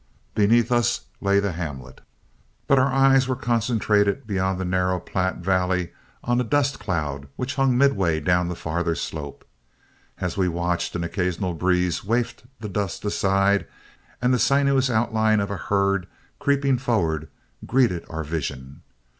Beneath us lay the hamlet; but our eyes were concentrated beyond the narrow Platte valley on a dust cloud which hung midway down the farther slope. As we watched, an occasional breeze wafted the dust aside, and the sinuous outline of a herd creeping forward greeted our vision.